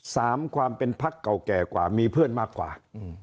ความเป็นพักเก่าแก่กว่ามีเพื่อนมากกว่า